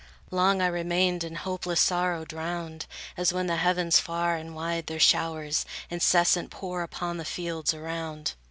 Long I remained in hopeless sorrow drowned; As when the heavens far and wide their showers Incessant pour upon the fields around.